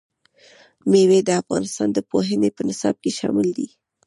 مېوې د افغانستان د پوهنې په نصاب کې شامل دي.